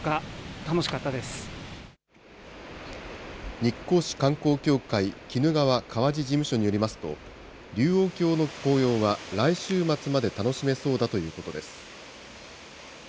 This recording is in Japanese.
日光市観光協会鬼怒川・川治事務所によりますと、龍王峡の紅葉は、来週末まで楽しめそうだということです。